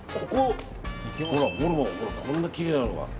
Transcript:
ホルモン、こんなきれいなのが。